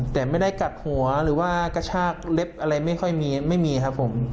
แต่ไม่ได้กัดหัวหรือว่ากระชากเล็บอะไรไม่ค่อยมีไม่มีครับผม